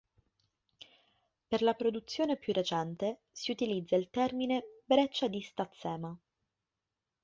Per la produzione più recente si utilizza il termine "breccia di Stazzema".